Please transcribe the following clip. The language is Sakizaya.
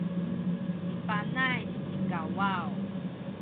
ci Panay sikawaw